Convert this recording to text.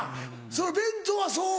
その弁当はそう。